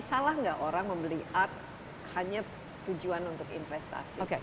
salah nggak orang membeli art hanya tujuan untuk investasi